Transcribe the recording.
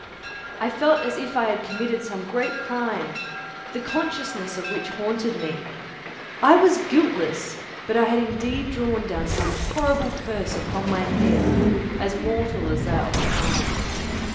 I felt as if I had committed some great crime, the consciousness of which haunted me. I was guiltless, but I had indeed drawn down a horrible curse upon my head, as mortal as that of crime.